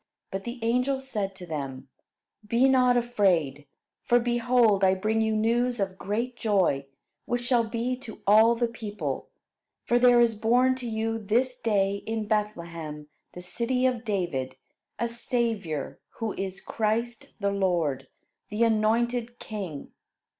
But the angel said to them: "Be not afraid; for behold I bring you news of great joy, which shall be to all the people; for there is born to you this day in Bethlehem, the city of David, a Saviour who is Christ the Lord, the anointed king.